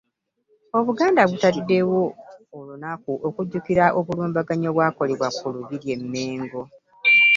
Obuganda butaddewo olunaku okujjukira obulumbaganyi obwakolebwa ku Lubiri e Mmengo.